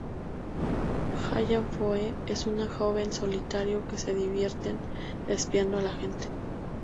Hallam Foe es un joven solitario que se divierte espiando a la gente.